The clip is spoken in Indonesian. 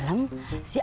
ke rumah emak